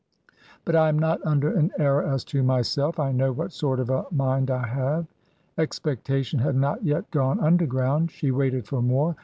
" But I am not under an error as to myself. I know what sort of a mind I have." Expectation had not yet gone underground; she waited for more.